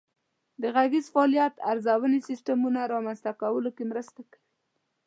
د غږیز فعالیت ارزونې سیسټمونه رامنځته کولو کې مرسته کوي.